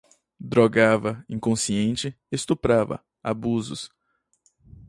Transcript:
drogava, inconsciente, estuprava, abusos